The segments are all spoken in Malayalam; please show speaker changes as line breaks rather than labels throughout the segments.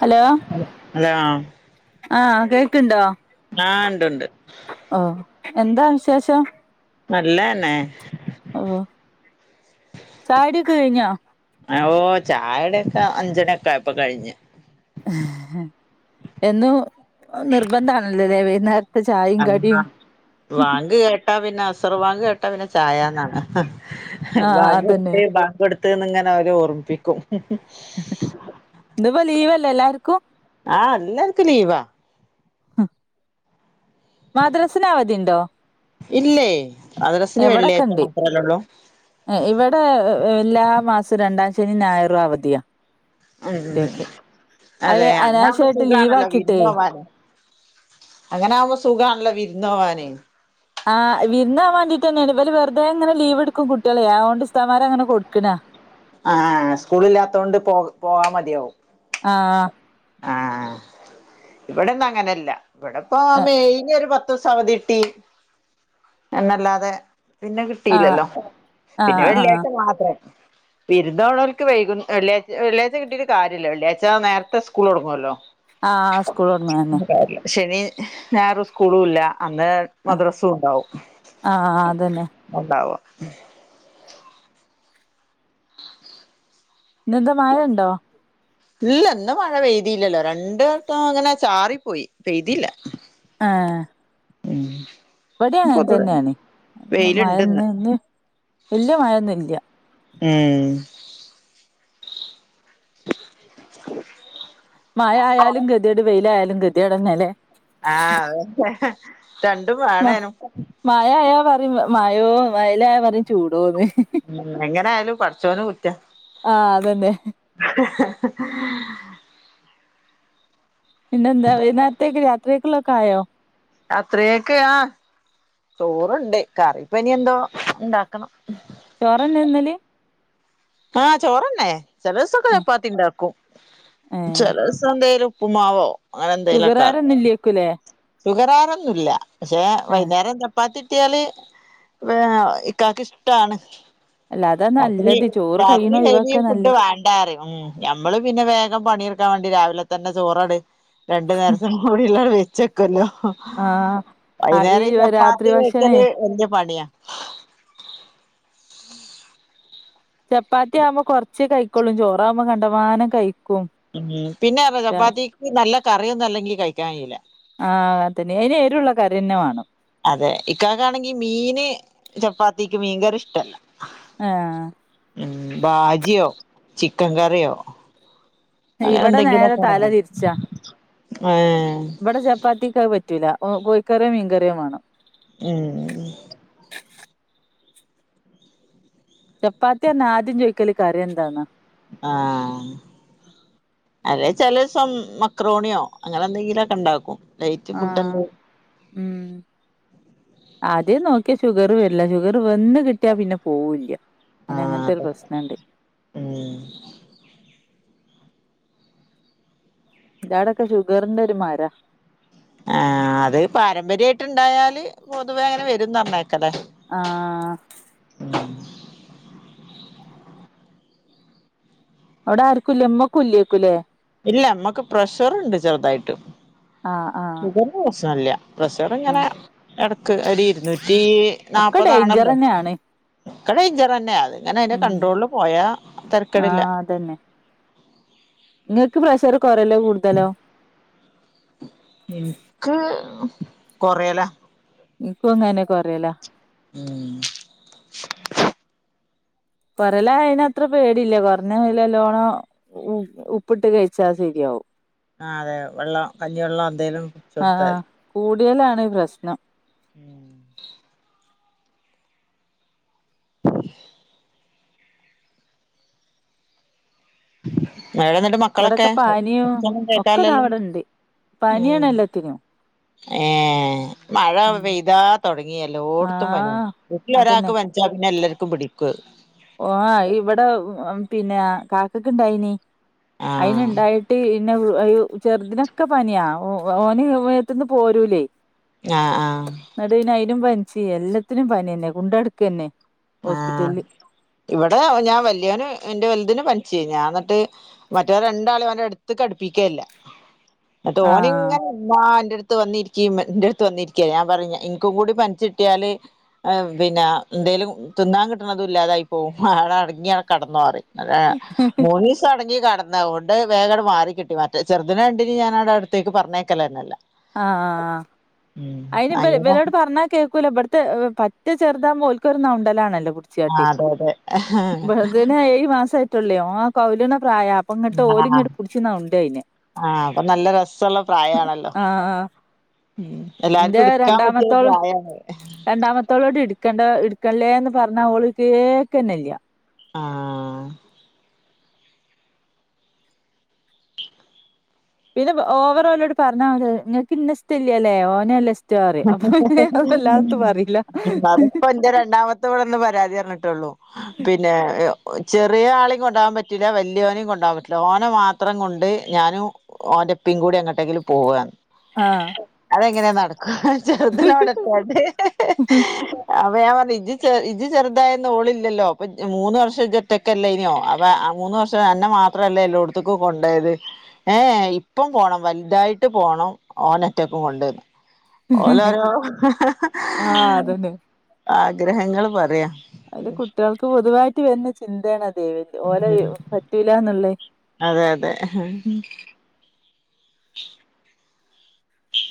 ഹലോ
ഹലോ
ആഹ് കേക്ക്ണ്ടോ
ആഹ് ഉണ്ട്ണ്ട്
ഓ എന്താ വിശേഷം
നല്ലന്നെ
ചായ കുടിക്കെ കഴിഞ്ഞാ
ഓ ചായകുടിയൊക്കെ അഞ്ചരക്കെ ആയപ്പോ കഴിഞ്ഞ്
എന്നും നിർബന്ധമാണല്ലോ ദേവ എന്നർ
ആ വാങ്ക് കേട്ട കേട്ടാ പിന്നെ അസറുവാങ്ക് കേട്ടാ പിന്നെ ചായന്നാണ്
ആഹ്
വാങ്ക്
അതന്നെ
എടുത്തേ വാങ്ക് കൊടുത്ത് ത്ത്ന്ന് ഇങ്ങനെ അവര് ഓർപ്പിക്കും
ഇന്നിപ്പോ ലീവ് അല്ലേ എല്ലാർക്കും
ആ എല്ലാർക്കും ലീവാ
അഹ് മദ്രസേന് അവധി ഉണ്ടോ
ഇല്ലേ മദ്രസിന്
എവിടെക്കെ
വെള്ളിയാഴ്ച
ഉണ്ട്
മാത്രല്ലേ ഉള്ളൂ
ഇവിടെ എല്ലാ മാസവും രണ്ടാം ശനിയും ഞായറും അവധിയ
ഉം
അയ്
അതെ അതാവുമ്പോൾ
അനാവശ്യായിട്ട്
സുഖണല്ലോ
ലീവാക്കിട്ടേ
വിരുന്നോമാന അങ്ങനെ ആകുമ്പോ സുഖാണല്ലോ വിരുന്നോവാന്
ആഹ് വിരുന്നാൻ വേണ്ടിട്ട് വന്നിന് ഇവള് വെറുതെ ഇങ്ങനെ ലീവ് എടുക്ക കുട്ടികളെ അത് കൊണ്ട് ഉസ്താദ് മാര് അങ്ങന കൊടുക്കണയ
ആ സ്കൂളില്ലാത്തൊണ്ട് പോ പോവാാ മടിയവും
ആഹ്
ആഹ് ഇവിടൊന്നും അങ്ങനല്ല ഇവിടിപ്പോ മെയിഞ്ഞ ഒരു പ ത്ത സവതിട്ടി എന്നല്ലാതെ പിന്നെ
ആഹ്
കിട്ടീയില്ലല്ലോ പിന്നെ
ആഹ് ആഹ്
വെള്ളിയാഴ്ച മാത്രം വിരുന്നോണർക്ക് വൈകും വെള്ളാഴ് വെള്ളാഴ്ച കിട്ടീട്ട് കാര്യം ഇല്ല വെള്ളിയാഴ്ച നേരത്തെ സ്കൂള് തുടങ്ങുമല്ലോ
ആഹ് സ്കൂൾ തുറന്നത് തന്നെ
ശനി ഞായർ സ്കൂളുംല്ല അന്നേ
ആഹ്
മദ്രസും ഉണ്ടാവും
ആഹ് അതന്നെ
ഉണ്ടാവും
ഇന്നെന്ത മഴ ഉണ്ടോ
ഇല്ല ഇന്ന് മഴ പെയ്തില്ലല്ലോ രണ്ട് വട്ടം അങ്ങനെ ചാറിപ്പോയി പെയ്തില്ല
ആ
ഉം
ഇവിടേം അങ്ങനെ
പൊതുവെ
തന്നെയാണ് മഴ
വെയിലുണ്ടിന്ന്
ഒന്നും ഇന്ന് വല്യ മഴയൊന്നും ഇല്ല
ഉം
മഴ ആയാലും ഗതികേട് വെയിലായാലും ഗതികേട് തന്നെ അല്ലെ
ആ അതൊക്കെ
മ മഴയായ പറയും മയോന്ന് വെയിലായ പറയും ചൂടോന്ന്
ഉം എങ്ങനെ ആ ആയാലും പടച്ചോന് കു
ആ അതന്നെ പിന്നെന്താ വൈകുന്നേരത്തേക്ക് രാത്രിയേക്കുള്ള ക്ക്ആയോ
രാത്രിയേക്ക് ആ ചോറുണ്ട് കറിപ്പയിനി എന്തോ ഉണ്ടാക്കണം
ചോറന്നെ തിന്നല്
ആ ചോറന്നെ ചെലസം ഒക്കെ
ഏഹ്
ചപ്പാത്തി ഉണ്ടാക്കും ചെലസം എന്തേലും ഉപ്പുമാവോ
ഷുഗർ കാരൊന്നും ഇല്ലേക്കുവില്ലേ
ഷുഗർ കാരൊന്നും ഇല്ല പക്ഷേ
ഏഹ്
വൈകുന്നേരം ചപ്പാത്തി കിട്ടിയാല് ഇക്കാക്ക് ഇഷ്ടണ്
അല്ല അതാ
രാത്രി
നല്ലത് ചോറ്
രാത്രി
കയ്യ്ണ
ഹെവി
ഒഴിവാക്കാ
ഫുഡ്
നല്ലേ
വേണ്ടാ പറയും ഉം ഞമ്മള് പിന്നെ വേഗം പണിതീർക്കാൻ വേണ്ടി രാവി ലെ തന്നെ ചോറാണ് രണ്ട് നേരത്തും കൂടിയെല്ലാം വെ ക്കുവല്ലോ
ആഹ് ആഹ്
വൈകുന്നേരം ഈ ചപ്പാത്തി
രാത്രി ഭക്ഷണേ
കുഴക്കല് വലിയ പണിയാ
ചപ്പാത്തി ആവുമ്പോ കുറച്ച് കഴി ക്കൊളു ചോറാവുമ്പോ കണ്ടമാനം കഴി
പിന്നെ അർഞ്ഞ ചപ്പാത്തിക്ക് നല്ല കറിയൊന്നും അല്ലെങ്കിൽ കഴിക്കാൻ കഴിയൂല്ല
[unintelligible] വാണം
അതെ ഇക്കാക്കാണെങ്കി മീന് ചപ്പാത്തിക്ക് മീൻകറി ഇഷ്ടല്ല
ആഹ്
ഉം ബാജിയോ ചിക്കൻ കറിയോ അങ്ങനെ
ഇവിടെ നേരെ
എന്തെങ്കിലുമൊക്കെ
തല
വേണം
തിരിച്ചാ
ഏഹ്
ഇവിടെ ചപ്പാത്തിക്ക പറ്റ റ്റൂല കോഴിക്കറിയോ മീൻകറിയോ വാണം
ഏ
ചപ്പാത്തി അർഞ്ഞ ആദ്യം ചോദിക്കല് കറിം എന്താന്ന
ആഹ് അതേ ചെലേസം മക്രോണിയോ അങ്ങനെ എന്തെങ്കിലൊക്കെ ഇണ്ടാക്കും നൈറ്റ് ഫുഡ്
ആഹ്
എന്ത്
ഉം ആദ്യം നോക്കിയാ ഷുഗറ് വരില്ല ഷുഗർ വന്ന് കിട്ടിയാ പിന്നെ പോവൂല്ല പിന്ന
ആഹ്
അങ്ങനത്തെ ഒരു
അതെ
പ്രശ്നണ്ട്
ഉം
ഞാനൊക്കെ ഷുഗറിന്റെ ഒരു മരാ
ആ അത് പാരമ്പര്യായിട്ട് ണ്ടായാല് പൊതുവേ അങ്ങനെ വരും ന്നർഞ്ഞേക്കല്ലെ
ആ അവടെ ആര്ക്കുല്ല ഇമ്മക്കുല്ലേക്കുല്ലേ
ഇല്ല ഇമ്മക്ക് പ്രഷറ്ണ്ട് ചെർതായിട്ട്.
ആഹ് ആഹ്
ഇവര്ക്ക് പ്രശ്നല്ല പ്രഷറ്ങ്ങനെ
ആഹ്
എട ക്ക് [unintelligible] റ്റീ
ഒക്കെ
നാല്പപതാണല്ലോ
ഡേയ്ഞ്ചറന്നെയാണ്
ക്കെ ഡെയ്ഞ്ചെറെന്നെണ് അങ്ങനെ അയ്ൻ്റെ
ഉം
കണ്ട്രോളില് പോയാ തെര്ക്കടില്ല
നിങ്ങക്ക് പ്രശർ കൊറ്യല്ലോ കൂടുതലോ?
കൊറ്യലാ
ഇൻക്കും ങ്ങനെ ന്നെ കൊറ്യല്ലാ
ഉം
കൊറ്യലായായ് ന് അത്ര പേടില്ല കൊർഞ്ഞ അയ്ലല്ലോണം ഉ ഉപ്പ്ട്ട് കയ്ച്ചാ സെര്യാവും
ആ അതെ വെള്ളോ കഞ്ഞിവെള്ളോ എന്തേലും കുടിച്ച്
ആഹ
കൊടുത്താൽ
ആ് കുടി കുടിയലാണ് പ്രശ്നം
[inaudible] [inaudible] മട എന്നിട്ട് മക്കളൊക്കെ
ഇവിടൊക്കെ പനിയും
അച്ണം
ഒക്കെ ദാ
കേക്കല്ലല്ലോ
ഇവിടെണ്ട്
ഉ
പനിയാണ് എല്ലത്തിനും
ഏ മഴ പെയ്താ തുൊടങ്ങിയല്ലോ ഓടത്തും പനിയ
ആഹ്
വീട്ടില് ഒരാൾക്ക് പനിച്ചാ പിന്നെ എല്ലാർക്കും പിടിക്ക
ഓ ഇവിടെ പിന്നെ കാക്കക്ക ഇണ്ടായിനീ അയിനുണ്ടായിട്ടീ പിന്നെ അയ്യോ ചെറുതിനൊക്കെ പനിയാ ഓന് മേത്ത്ന്ന് പോരൂലേ
ആ ആ
എനിക്കും പനിച്ച് എല്ലാത്തിനും പനി തന്നെ കൊണ്ടടക്ക തന്നെ
ആ ആ
ഹോസ്പിറ്റലില്
ഇവിടെ ഞാൻ വല്യവന് എൻ്റെ വലുതിന് പനിച്ച് ഞാൻ എന്നിട്ട് മറ്റേ മറ്റവരേ രണ്ടാളേം [unintelligible] അടുത്ത് കിടപ്പിക്കേല്ലാ എന്നിട്ട്
ആഹ്
ഓനിങ്ങനെ [unintelligible] അടു അടുത്ത് വന്നിരിക്കേം എന്റെ അടുത്ത് വന്നിരിക്ക്യാ ഞാൻ പറഞ്ഞ എനിക്കും കൂടി പനിച്ചിട്ടിയാല് പിന്നെ എന്തേലും തിന്നാ കിട്ടണതും ഇല്ലാതായി പോവും അവിടെ അടങ്ങിയ കിടന്നോന്നു പറയും അതെ മൂന്നീസം അടങ്ങി കിടടന്നത് കൊണ്ട് വേഗങ്ങട് മാറി കിട്ടി മറ്റേ ചെറുതിന് കണ്ടിന് ഞാനവിടെ അടുത്തേക്ക് പറഞ്ഞേക്കല തന്നെല്ലാ
ആ അയിന് ഇവ
അങ്ങനെ
ഇവരോട് പറഞ്ഞാ കേക്കൂല ഇവിടുത്തെ [unintelligible] ചെറുതാ [unintelligible] ട്ടി
ആ അതെ അതെ
വലുതിന്ഏഴു മാസായി [unintelligible] ആ [unintelligible] ഇങ്ങട്ട് ഓല്
ആ
ഇങ്ങട്ട് പുടിച്ച് നൗണ്ടും അയിനെ
ആ അപ്പൊ നല്ല രസോള്ള പ്രായാണല്ലോ
ആ ആ ഇന്റെ
എല്ലാർക്കും എടുക്കാൻ പറ്റിയ ഒരു
രണ്ടാമത്തോള്
പ്രായാണ്
രണ്ടാമത്തോളോട് ഇടുക്കേണ്ട ഇടു എടുക്കല്ലേന്ന് പറഞ്ഞാല് ഓള് കേക്കണില്ല
ആ
പിന്നെ ഓവറോളോട് പറഞ്ഞാ നിങ്ങക്ക് ഇന്ന ഇഷ്‌ടല്ലാല്ലേ ഓനല്ലേ ഇഷ്
അതിപ്പോ എന്റെ രണ്ടാമത്തെ ഇവിടെ വന്ന് പരാതി പറഞ്ഞിട്ടുള്ളൂ പിന്നെ ചെറിയ ആളേം കൊണ്ടോവാൻ പറ്റൂല്ലാ വല്യവനേം കൊണ്ടോവാൻ പറ്റൂല്ലാ ഓനെ മാത്രം കൊണ്ട് ഞാനും ഓൻ്റെ [unintelligible] എങ്ങോട്ടെങ്കിലും പോകുക
ആഹ്
അതെങ്ങനാ നട [inaudible] അപ്പോ ഞാൻ പറഞ്ഞ് ഇജ്ജ് ഇജ്ജ് ചെറുതായിരുന്ന ഓളില്ലല്ലോ മൂന്നു വർഷം ഇജ്ജ് ഒറ്റക്കല്ലേനു അപ്പോ മൂന്നു വർഷം അന്നെ മാത്രല്ലേ [unintelligible] കൊണ്ടോയത് ഇപ്പോ പോണം വലുതായിട്ട് പോണം [unintelligible] [unintelligible]
ആഹ് അതന്നെ
[unintelligible] ഗ്രഹങ്ങളും പറയാ
അത് കുട്ടികൾക്ക് പൊതുവായ് [unintelligible] ചിന്തയാണത് ഓല് പറ്റൂല്ലാന്നുള്ള
അതെ അതെ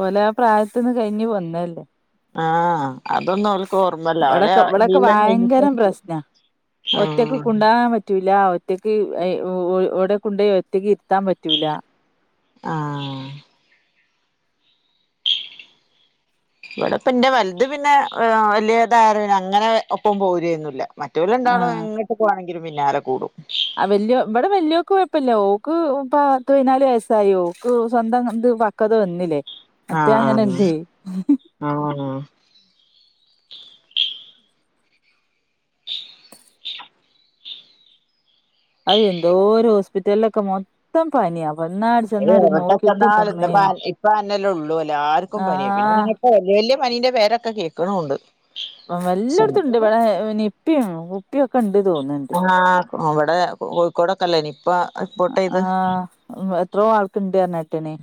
ഓലാ പ്രായത്തീന്ന് കഴിഞ്ഞ് വന്നല്ലേ
ആഹ അതൊന്നും അവലക്ക് ഓർമ്മല്ല അവല
ഇവിടൊക്കെ ഇവിടൊക്കെ
എല്ലം കഴിഞ്ഞിട്ട
ഭയങ്കരം പ്രശ്നാ
ആ
ഇല്ല ഒറ്റക്ക് ഓടെ കൊണ്ടോയി ഒറ്റക്ക് ഇരുത്താൻ പറ്റൂലാ
ആഹ് ഇവിടെ ഇപ്പൊ ന്റെ വലുത് പിന്നെ ആ വല്യ തായരെ അങ്ങനെ ഒപ്പം പോരേ ഒന്നൂല്ലാ മെറ്റോല് രണ്ടാളും എങ്ങട്ട് പോവ ന്റെ പിന്നാലെ കൂടും
അ വല്ല്യോ ഇവിടെ വല്യോൾക്ക് കുഴപ്പമില്ല ഓൾക്ക് പത്തു പതിനാല് വയസ് ആയി ഓൾക് സ്വന്തം ഇത് പക്ക്വത വെന്നിലേ
ആഹ് ആഹ് അ ആണോ
അയ് എന്തോരം ഹോസ്പിറ്റലിൽ ഒക്കെ മൊത്തം പനിയ
ഏ എവിടെച്ചെന്നാലും ന്ന്പ്പ ഇപ്പാ അന്നെല്ലെള്ളൂ ല്ലാർക്കും പനിയാ
ആഹ്
പിന്നെന്നറിഞ്ഞാ ഇപ്പ വല്യ വല്യ പനിന്റെ പേരൊക്കെ കേക്ക്ണ് ഉണ്ട്
ആ എല്ലോട്ത്തും ഉണ്ട് ഇവടെ നിപ്പ പ്പി ഒക്കെ ഉ
ആ പ്പം അവടെ കോഴിക്കോടക്കെല്ലെ നിപ്പ റിപ്പോർട്ടെയ്തെ
ആഹ് എത്രോ ആൾക്കുണ്ട് പറഞ്ഞിട്ടണ്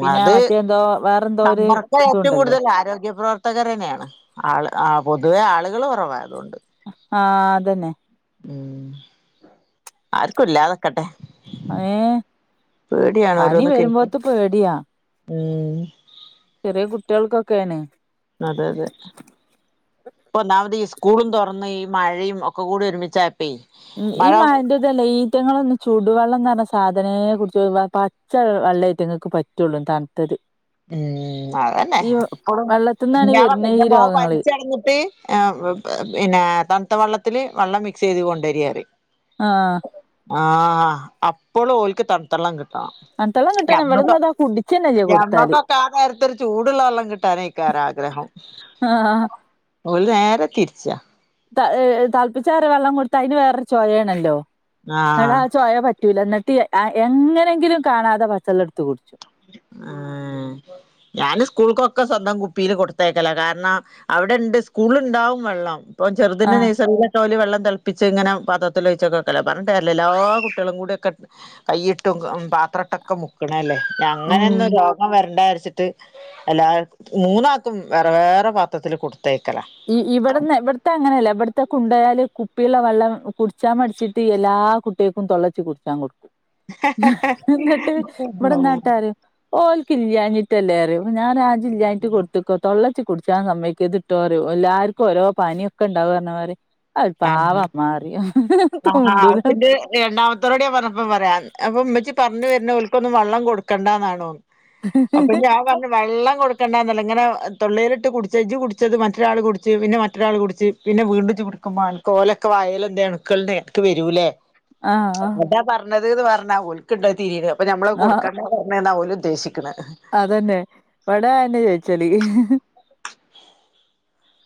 പിന്നെ
അത്
മറ്റേ എന്തോ വേറെന്തോ ഒരു
സംമ്പർക്കം ഏറ്റവും
ഇതുണ്ടല്ലോ
കൂടുതൽ ആരോഗ്യ പ്രവർത്തകരന്നെ ആണ് ആള് ആ പൊതുവെ ആള്കള് കുറവായതോണ്ട്‌
ത്ത അതെന്നെ
ഉം ആർക്കും ഇല്ലാതെക്കെട്ടെ
ഏഹ് പനി
ഓരോന്ന് കേൾക്കാൻ
വരുമ്പോത്ത് പേടിയാ
ഉം
ചെറിയ കുട്ടിയോൾക് ഒക്കെ ആണ്
അതെ അതെ പ്പം ഒന്നാമത് ഈ സ്കൂളും തുറന്ന് ഈ മഴയും ഒക്കെ കൂടെ ഒരുമിച്ചായ
ഉം ഈ മഴ ന്റെതല്ലെ ഈ റ്റെങ്ങളൊന്നും ചുടുവെള്ളം ന്നർ ഞ്ഞ സാധനേ കുടിച്ചൂലാ പച്ചവെള്ള അയ്റ്റങ്ങൾക്ക് പറ്റുള്ളൂ തണ്ത്തത്
ഉം അതെന്നെ
വെള്ളത്തിന്നാണ്
ഞാൻ പ്പം
വരുന്ന ഈ
പറഞ്ഞില്ലെ മേൻ
രോഗങ്ങള്
പനിച്ചയ്ഞ്ഞിട്ട് ആ പിന്നെ തൺത്ത വെള്ള ത്തില് വെള്ളം മിക്സൈത് കൊണ്ട രീ അറിയും
ആ
ആ അപ്പളും ഓൽക്ക് തൺത്തളളം കിട്ട
തൺത്തള്ളം കിട്ട [unintelligible] കുടിച്ചി ന്നെല്ല കൊട്ത്താല്
ഞമ്മക്കൊക്കെ ആ നേരത്തൊരു ചൂടുള്ള വെള്ളം കിട്ടാനേക്കാരം ആഗ്രഹം
ആഹ്
ഓല് നേരെ തിരിച്ചാ
ത തളപ്പിച്ചാറിയ വെള്ളം കൊടുത്ത അതിന് വേറൊരു
ആഹ്
തുലർന്നത്തിയെ എങ്ങനെങ്കിലും കാണാതെ പച്ചള്ളടുത്ത് കുടിച്ചു
ഉം ഞാന് സ്കൂൾക്കൊക്കെ സ്വന്തം കുപ്പിയില് കൊടുത്തേക്കല്ല കാരണം അവിടെ ഇണ്ട് സ്കൂളിണ്ടാവും വെള്ളം ഇപ്പ ചെറുതിന്റെ
ആഹ്
നേഴ്സറിട്ടോലും വെള്ളം തിളപ്പിച്ച് ഇങ്ങനെ പാത്രത്തിൽ ഒഴിച്ചൊക വെക്കലാ പറഞ്ഞിട്ട് കാര്യല്ല എല്ലാ കുട്ടികളും കൂടിയക്കെ കൈയിട്ടും പാത്രട്ടക്കെ മുക്കണേല്ലേ
ഉം
അങ്ങനൊന്നും രോഗം വരണ്ട ച്ചിട്ട് എല്ല മൂന്നാക്കും വേറെ വേറെ പാത്രത്തില് കൊടു
ഇവിടന്ന് ഇവിടത്തെ അങ്ങനെയല്ല ഇവിടത്തെ കുണ്ടയാല് പ്പിലുള്ള വെള്ളം കുടിച്ചാ മടിച്ചിട്ട് എല്ലാ കുട്ടിൾക്കും തൊള്ളച്ച് കുടിച്ചാൻ കൊടുക്കും എന്നിട്ട് ഇവിട നാട്ടാര് ഓ ക്കില്യാഞ്ഞിട്ടല്ലേറിയും ഞാനാ ജില്ലായിട്ട് കൊടുത്തക്കോ തൊളള- ച്ച് കുടിച്ചാ സമ്മയ്ക്കതുട്ടോ രു എല്ലാർക്കും ഓരോ പാനിയൊക്ക ഉണ്ടാവും പറഞ്ഞ മാതിരി അത് ഒരു
ആ
പാവം അമ്മ പറയും
ആ
മിണ്ടൂല
ആപിന്റ് രണ്ടാമത്തോരടെ പറഞ്ഞപ്പ പറയാ അപ്പൊ ഉമ്മച്ചി പറഞ്ഞു വരുന്നവർക്കൊന്നും വള്ളം കൊടുക്കണ്ടന്നാണോ അപ്പൊ ഞാൻ പറഞ്ഞ് വെള്ളം കൊടുക്കണ്ടന്നല്ല ഇങ്ങനെ തൊള്ളലിട്ട് കുടിച്ചേജ് കുടിച്ചത് മറ്റൊരാൾ കുടിച്ച് പിന്നെ മറ്റൊരാൾ കുടിച്ച് പിന്നെ വീണ്ടും ചൂ ക്കും മാൽക്കോലൊക്ക വായേൽ എന്തേയ്യണംണുക്കൾടെനിക്ക് വരൂലേ
ആ ആ
തേത് പറഞ്ഞാൽഉൽക്കിണ്ട് തിരീരം അപ്പൊ നമ്മള്
ആഹ്
കൊടുക്കണ്ട [unintelligible] ന്നേതാ ഒൽ ഉദ്ദേശിക്കുന്നത്
അതന്നെ ഇവിട എന്റയേച്ചി ഡിഗ്രി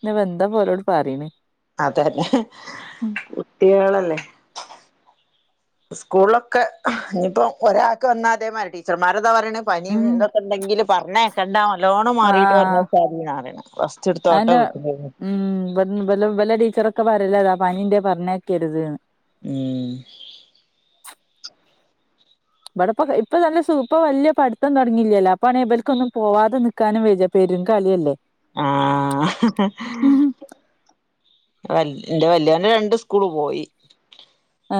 നി വെന്ത പോലോട് പറയണേ
അതെന്നെ കുട്ടികളല്ലേ സ്കൂളൊക്കെ ഇനിയിപ്പോ ഒരാൾക്ക് ഒന്നാതിമടി ടീച്ചർമാരട് എന്താപറയണേ
ഉം
പനീംന്തൊക്കെണ്ടങ്കില് പറഞ്ഞേ കെണ്ടാ ഒ ലോണ് മാറിട്ട്
ആഹ്
പറഞ്ഞ സാധീ നാണ് റെസ്റ്റ് എടുത്തോട്ട്
അയെന്നെ
വീട്ടി-
ഒക്കെ പരല്ലതാ പനീന്റെ പറഞ്ഞേക്കരുത് ന്ന്
ഉം
ഇവിടെപ്പ ഇപ്പൊ നല്ല സൂപ്പ വല്യാ പടിത്തം തുടങ്ങിയില്ലല്ല അപ്പണേ ഇവലിക്കൊന്നും പോവാതെ നിക്കാനും വര്യാ പെരും കളിയല്ലേ
ആ വല് ന്റെ വല്യകണ്ണ് രണ്ട് സ്കൂള് പോയി
ആ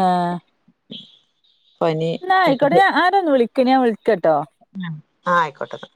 പനി
ന്നായ്ക്കോട്ടെ
ആയിട്ട്
ഞാ ആരെന്ന് വിളി ക്ന് വിൾ കെട്ടോ
ആയിക്കോട്ടെ